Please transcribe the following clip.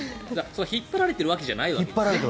引っ張られているわけじゃないわけですね。